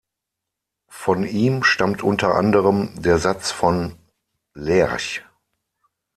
Von ihm stammt unter anderem der Satz von Lerch.